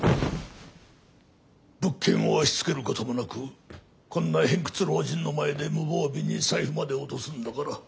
物件を押しつけることもなくこんな偏屈老人の前で無防備に財布まで落とすんだから。